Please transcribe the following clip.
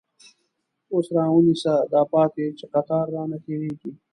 اوس راونیسه داپاتی، چی قطار رانه تير یږی